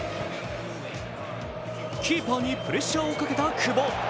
キーパーにプレッシャーをかけた久保。